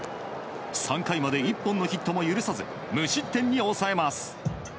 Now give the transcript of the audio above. ３回まで１本のヒットも許さず無失点に抑えます。